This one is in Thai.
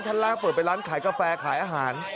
ชั้นล่างเปิดไปร้านขายกาแฟขายอาหาร